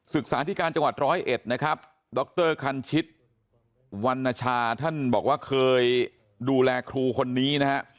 ศึกษาที่การจังหวัดร้อยเอ็ดนะครับดรคันชิตวรรณชาท่านบอกว่าเคยดูแลครูคนนี้นะฮะ